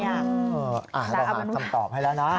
เราหาคำตอบให้แล้วนะ